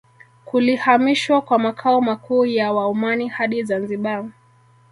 Kulihamishwa kwa makao makuu ya Waomani hadi Zanzibar